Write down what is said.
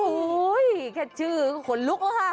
แค่ชื่อก็ขนลุกแล้วค่ะ